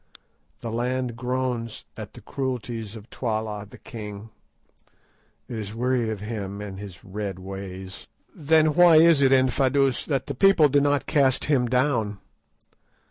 The land groans at the cruelties of Twala the king; it is wearied of him and his red ways." "Then why is it, Infadoos, that the people do not cast him down?"